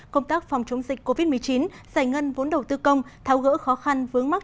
công tác phòng chống dịch covid một mươi chín giải ngân vốn đầu tư công tháo gỡ khó khăn vướng mắt